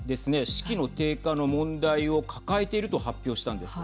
士気の低下の問題を抱えていると発表したんです。